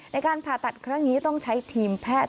ในการผ่าตัดครั้งนี้ต้องใช้ทีมแพทย์